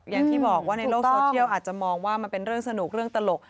อย่างที่บอกว่าในโลกโซเทียลอาจจะมองว่ามันเป็นเรื่องสนุกเรื่องตลก